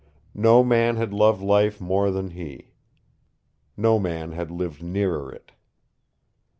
No man had loved life more than he. No man had lived nearer it.